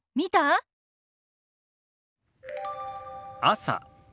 「朝」。